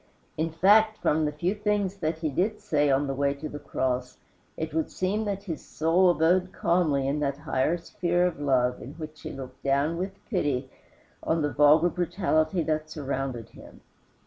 In fact, from the few things that he did say on the way to the cross, it would seem that his soul abode calmly in that higher sphere of love in which he looked down with pity on the vulgar brutality that surrounded him.